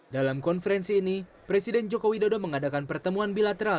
dalam konferensi ini presiden joko widodo mengadakan pertemuan bilateral